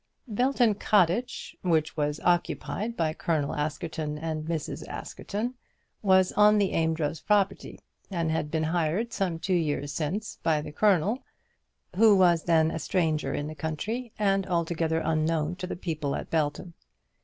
Belton Cottage, which was occupied by Colonel Askerton and Mrs. Askerton, was on the Amedroz property, and had been hired some two years since by the Colonel, who was then a stranger in the country and altogether unknown to the Belton people.